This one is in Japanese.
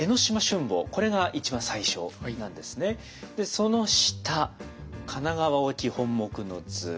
その下「賀奈川沖本杢之図」。